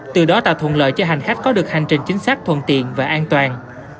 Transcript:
từ đó tạo thuận lợi cho hành khách có được hành trình chính xác thuận tiện và an toàn